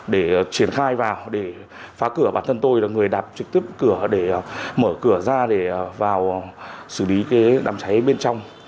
để triển khai vào để phá cửa bản thân tôi là người đạp trực tiếp cửa để mở cửa ra để vào xử lý đám cháy bên trong